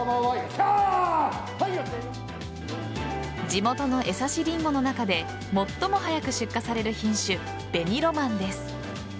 地元の江刺りんごの中で最も早く出荷される品種紅ロマンです。